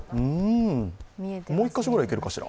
もう１カ所ぐらいいけるかしら。